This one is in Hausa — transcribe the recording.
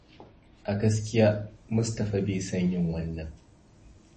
A gaskiya, Mustapha bai son yin wannan.